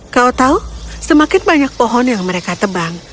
kau tahu semakin banyak pohon yang mereka tebang